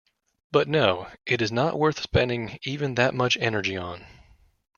But no, it is not worth spending even that much energy on.